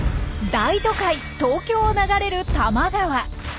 大都会東京を流れる多摩川。